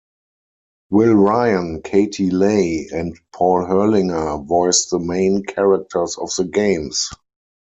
Will Ryan, Katie Leigh, and Paul Herlinger voiced the main characters of the games.